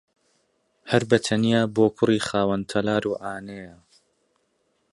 هەر بەتەنیا بۆ کوڕی خاوەن تەلار و عانەیە